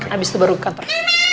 abis itu baru ke kantor